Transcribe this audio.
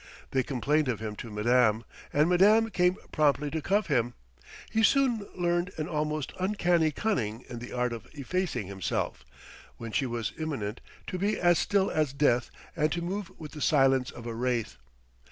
They complained of him to Madame, and Madame came promptly to cuff him. He soon learned an almost uncanny cunning in the art of effacing himself, when she was imminent, to be as still as death and to move with the silence of a wraith.